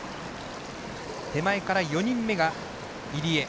手前から４人目が入江。